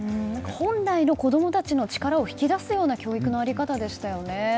本来の子供たちの力を引き出すような教育の在り方でしたね。